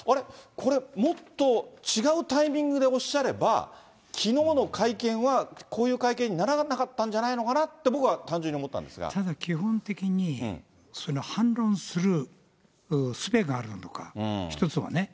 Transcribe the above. これ、もっと違うタイミングでおっしゃれば、きのうの会見は、こういう会見にならなかったんじゃないのかなと、ただ基本的に、その反論するすべがあるのか、１つはね。